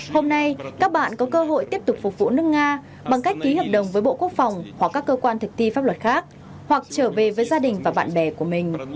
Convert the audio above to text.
hôm nay các bạn có cơ hội tiếp tục phục vụ nước nga bằng cách ký hợp đồng với bộ quốc phòng hoặc các cơ quan thực thi pháp luật khác hoặc trở về với gia đình và bạn bè của mình